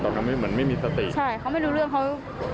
ตอนนั้นไม่เหมือนไม่มีสติใช่เขาไม่รู้เรื่องเขา